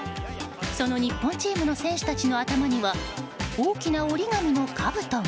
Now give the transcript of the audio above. その日本チームの選手たちの頭には大きな折り紙のかぶとが。